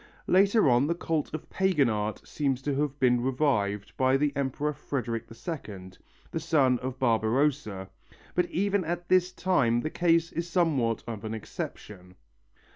Later on the cult of pagan art seems to have been revived by the Emperor Frederick II, the son of Barbarossa, but even at this time the case is somewhat of an exception.